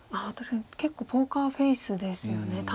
ああ確かに結構ポーカーフェースですよね